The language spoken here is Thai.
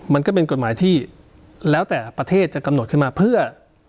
มันก็เป็นกฎหมายที่แล้วแต่ประเทศจะกำหนดขึ้นมาเพื่อ